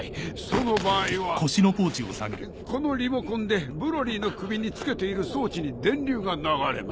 その場合はこのリモコンでブロリーの首に着けている装置に電流が流れます。